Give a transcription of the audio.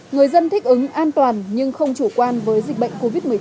người dân thích ứng an toàn nhưng không chủ quan với dịch bệnh covid một mươi chín